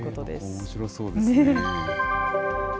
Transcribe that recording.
おもしろそうですね。